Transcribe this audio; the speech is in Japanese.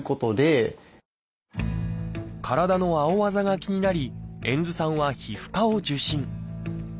体の青あざが気になり遠津さんは皮膚科を受診。